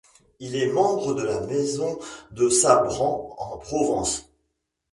Il est membre de la maison de Sabran en Provence.